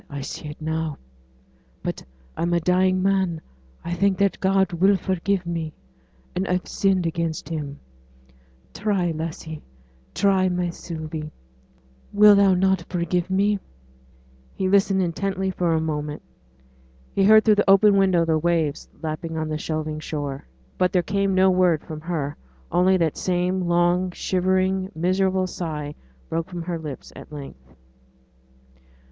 'I see it now. But I'm a dying man. I think that God will forgive me and I've sinned against Him; try, lassie try, my Sylvie will not thou forgive me?' He listened intently for a moment. He heard through the open window the waves lapping on the shelving shore. But there came no word from her; only that same long shivering, miserable sigh broke from her lips at length.